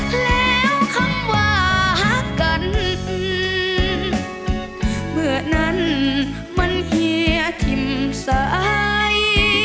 แล้วคำว่าฮักกันเมื่อนั้นมันเฮียทิ้มสาย